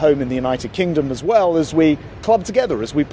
orang orang terbaik ide ide terbaik